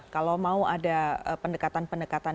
kalau mau ada pendekatan pendekatan